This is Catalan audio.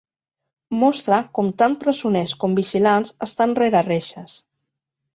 Mostra com tant presoners com vigilants estan rere reixes.